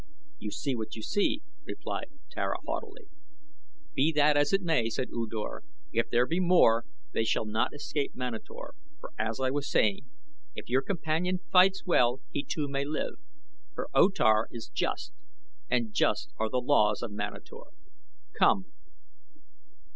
"You see what you see," replied Tara haughtily. "Be that as it may," said U Dor. "If there be more they shall not escape Manator; but as I was saying, if your companion fights well he too may live, for O Tar is just, and just are the laws of Manator. Come!"